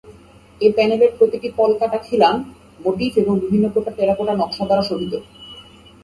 এ প্যানেলের প্রতিটি পলকাটা খিলান মোটিফ এবং বিভিন্ন প্রকার টেরাকোটা নকশা দ্বারা শোভিত।